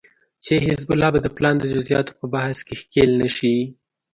چې حزب الله به د پلان د جزياتو په بحث کې ښکېل نشي